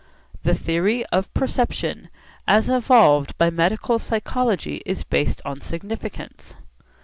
The theory of perception as evolved by medical psychology is based on significance.